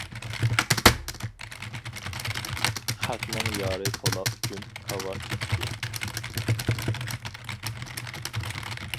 خەقنىڭ يارى تولا ئۈچۈن، كاۋا چېچىكى.